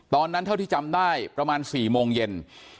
ตอนนั้นเท่าที่จำได้ประมาณ๔โมงเย็น